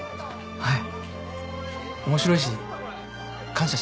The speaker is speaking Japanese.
はい。